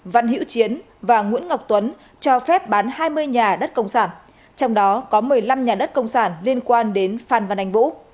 văn hiễu chiến và nguyễn ngọc tuấn cho phép bán hai mươi nhà đất công sản trong đó có một mươi năm nhà đất công sản liên quan đến phan văn anh vũ